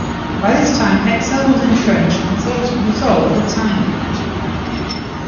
By this time Excel was entrenched, and sales of Resolve were tiny.